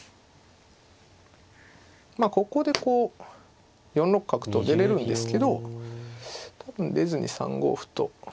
ここでこう４六角と出れるんですけど多分出ずに３五歩と。